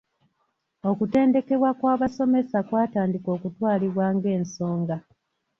Okutendekebwa kw’abasomesa kwatandika okutwalibwa ng’ensonga.